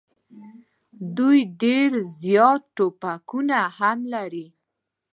دوی ډېر زیات توپکونه هم لري.